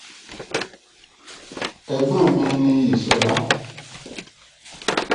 Passive communicators are also typically not likely to risk trying to influence anyone else.